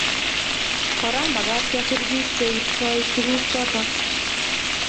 Kora makat keser bik cheibtoi tukuk choto